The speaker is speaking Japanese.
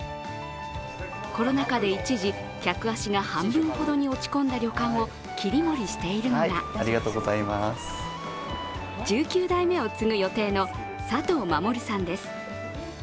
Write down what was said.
コロナ禍で一時、客足が半分ほどに落ち込んだ旅館を切り盛りしているのが、１９代目を継ぐ予定の佐藤守さんです。